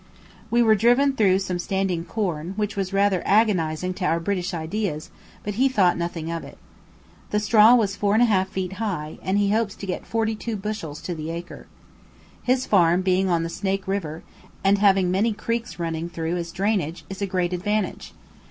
We were driven through some standing corn, which was rather agonizing to our British ideas, but he thought nothing of it. The straw was four and a half feet high, and he hopes to get forty two bushels to the acre. His farm being on the Snake River, and having many creeks running through as drainage, is a great advantage.